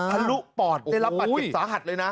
อ่าทะลุปอดได้รับปัจจิตสาหัสเลยนะ